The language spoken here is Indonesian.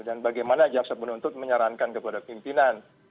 dan bagaimana jaksa penuntut menyarankan kepada pimpinan